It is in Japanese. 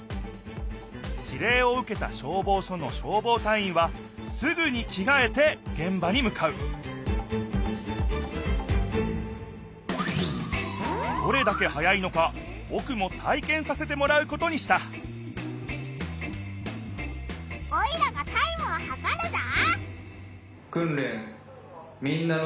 指令を受けた消防署の消防隊員はすぐにきがえてげん場に向かうどれだけ早いのかぼくも体けんさせてもらうことにしたオイラがタイムを計るぞ！